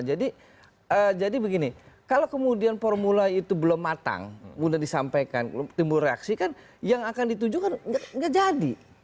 jadi begini kalau kemudian formula itu belum matang mudah disampaikan timbul reaksi kan yang akan ditujukan nggak jadi